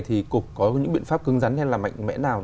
thì cục có những biện pháp cưng rắn hay là mạnh mẽ nào